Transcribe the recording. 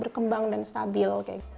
berkembang dan stabil